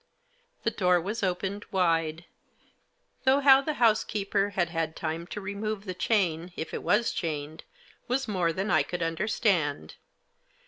The door was opened wide, though how the house keeper had had time to remove the chain, if it was chained, was more than I could understand.